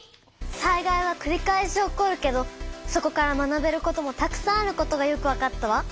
災害はくり返し起こるけどそこから学べることもたくさんあることがよくわかったわ！